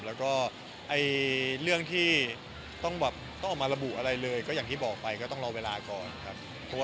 แล้วก็เรื่องที่ต้องแบบต้องออกมาระบุอะไรเลยก็อย่างที่บอกไปก็ต้องรอเวลาก่อนครับ